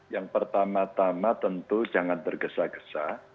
yang pertama tama tentu jangan tergesa gesa